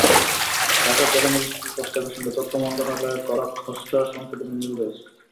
ঢাকার জেলা ম্যাজিস্ট্রেটের প্রস্তাবের সঙ্গে তথ্য মন্ত্রণালয়ের করা খসড়া সংশোধনীর মিল রয়েছে।